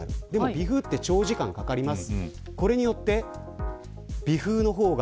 微風は長時間かかります。